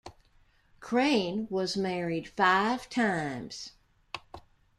Crane was married five times.